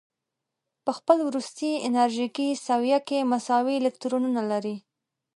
په خپل وروستي انرژیکي سویه کې مساوي الکترونونه لري.